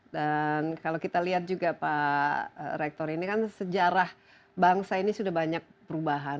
dan kalau kita lihat juga pak rektor ini kan sejarah bangsa ini sudah banyak perubahan